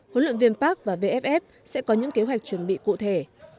huấn luyện viên park và vff sẽ có những kế hoạch chuẩn bị cụ thể